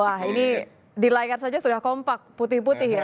wah ini di layar saja sudah kompak putih putih ya